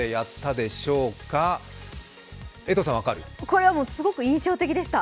これは、すごく印象的でした